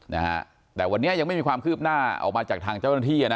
นะฮะแต่วันนี้ยังไม่มีความคืบหน้าออกมาจากทางเจ้าหน้าที่อ่ะนะ